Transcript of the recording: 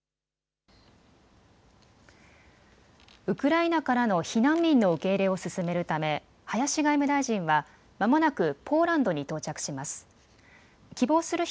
ウクライナからの避難民の受け入れを進めるため林外務大臣はまもなくポーランドに到着します。